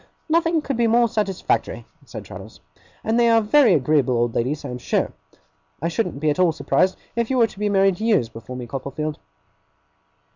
'Nothing could be more satisfactory,' said Traddles; 'and they are very agreeable old ladies, I am sure. I shouldn't be at all surprised if you were to be married years before me, Copperfield.